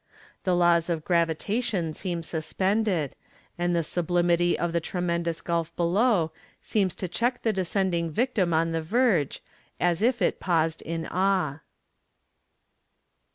The laws of gravitation seem suspended, and the sublimity of the tremendous gulf below seems to check the descending victim on the verge, as if it paused in awe.